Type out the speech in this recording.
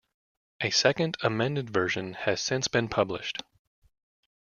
A second, amended version has since been published.